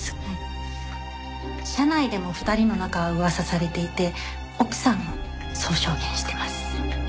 社内でも２人の仲は噂されていて奥さんもそう証言してます。